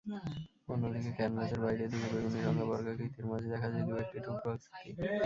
অন্যদিকে, ক্যানভাসের বাইরের দিকে বেগুনিরঙা বর্গাকৃতির মাঝে দেখা যায় দু-একটি টুকরো আকৃতি।